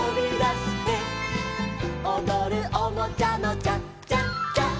「おどるおもちゃのチャチャチャ」